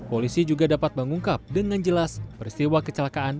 polisi juga dapat mengungkap dengan jelas peristiwa kecelakaan